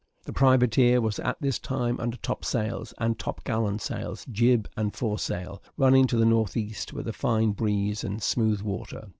The privateer was at this time under top sails, and top gallant sails, jib, and foresail, running to the north east, with a fine breeze and smooth water.